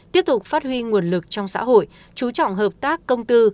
tiếp tục phát huy nguồn lực trong xã hội chú trọng hợp tác công tư